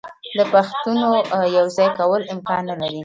د پښتونو یو ځای کول امکان نه لري.